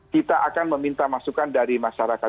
kita akan meminta masukan dari masyarakat